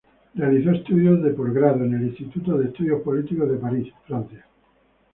Realizó estudios de Posgrado en el Instituto de Estudios Políticos de París, Francia.